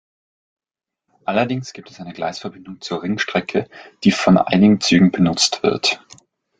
Allerdings gibt es eine Gleisverbindung zur Ringstrecke, die von einigen Zügen benutzt wird.